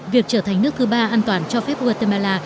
việc trở thành nước thứ ba an toàn cho phép guatemala